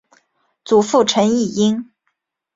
祖父陈尹英。